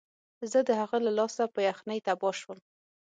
زه د هغه له لاسه په یخنۍ تباه شوم